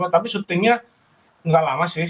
tapi syutingnya nggak lama sih